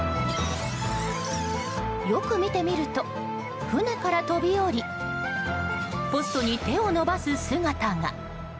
よく見てみると船から飛び降りポストに手を伸ばす姿が。